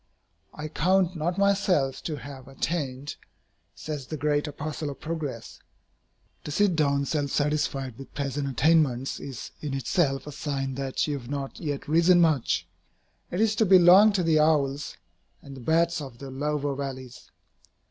"I count not myself to have attained," says the great apostle of progress. To sit down self satisfied with present attainments is in itself a sign that you have not yet risen much. It is to belong to the owls and the bats of the lower valleys.